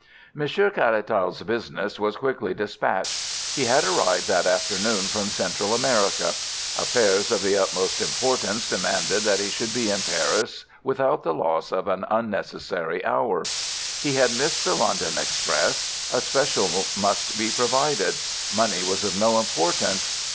Monsieur Caratal's business was quickly dispatched. He had arrived that afternoon from Central America. Affairs of the utmost importance demanded that he should be in Paris without the loss of an unnecessary hour. He had missed the London express. A special must be provided. Money was of no importance.